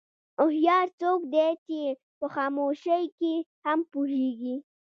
هوښیار څوک دی چې په خاموشۍ کې هم پوهېږي.